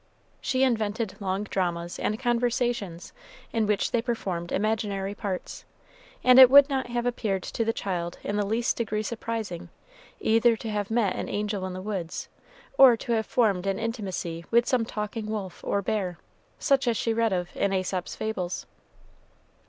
She invented long dramas and conversations in which they performed imaginary parts, and it would not have appeared to the child in the least degree surprising either to have met an angel in the woods, or to have formed an intimacy with some talking wolf or bear, such as she read of in Æsop's Fables.